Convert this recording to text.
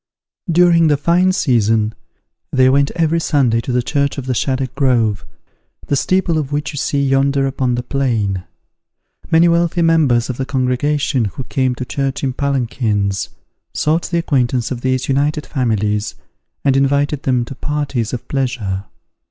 During the fine season, they went every Sunday to the church of the Shaddock Grove, the steeple of which you see yonder upon the plain. Many wealthy members of the congregation, who came to church in palanquins, sought the acquaintance of these united families, and invited them to parties of pleasure.